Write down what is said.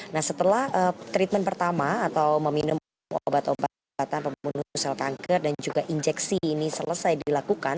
nah setelah treatment pertama atau meminum obat obatan pembunuh sel kanker dan juga injeksi ini selesai dilakukan